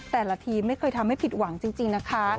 แต่ละทีมไม่เคยทำให้ผิดหวังจริงนะคะ